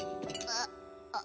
あっ。